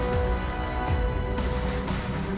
aku mau pergi